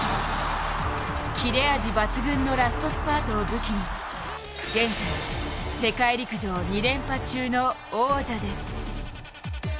切れ味抜群のラストスパートを武器に、現在、世界陸上２連覇中の王者です。